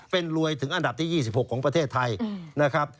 เป็นรวยถึงอันดับที่๒๖ของประเทศไทยนะครับ